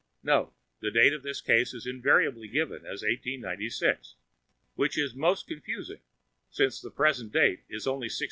(Note: The date of this case is invariably given as 1896, which is most confusing, since the present date is only 1691.